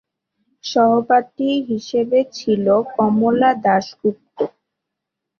সহপাঠী হিসাবে ছিল কমলা দাশগুপ্ত।